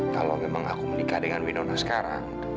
kalau memang aku menikah dengan winona sekarang